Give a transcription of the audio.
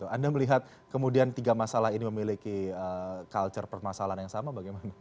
anda melihat kemudian tiga masalah ini memiliki culture permasalahan yang sama bagaimana